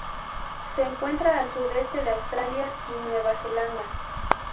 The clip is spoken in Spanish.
Se encuentra al sudeste de Australia y Nueva Zelanda.